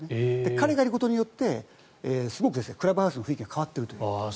彼がいることによってすごくクラブハウスの雰囲気が変わっているという。